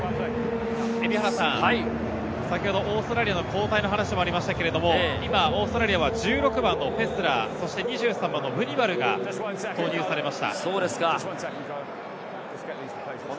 蛯原さん、先ほどオーストラリアの交代の話がありましたが、今オーストラリアは１６番のフェスラー、２３歳のヴニヴァルが投入されます。